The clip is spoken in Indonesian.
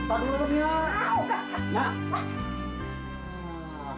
ah kagak dah